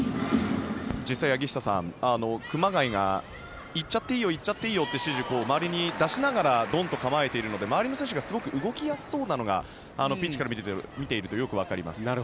実際に柳下さん、熊谷が行っちゃっていいよって指示を周りに出しながらどんと構えているので周りの選手がすごく動きやすそうなのがピッチから見ているとよくわかります。